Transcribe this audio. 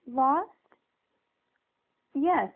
"Lost?" "Yes.